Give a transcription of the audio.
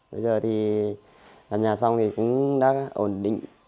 bây giờ thì nhà xong thì cũng đã ổn định